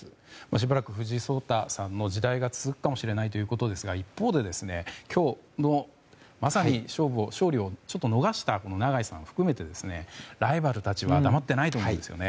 しばらく藤井聡太さんの時代が続くかもしれないということですが一方で今日のまさに勝利を逃した永瀬さんを含めてライバルたちは黙ってないと思うんですね。